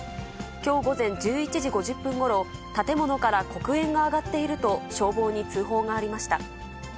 きょう午前１１時５０分ごろ、建物から黒煙が上がっていると消防に通報がありました。